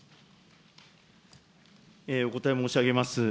お答え申し上げます。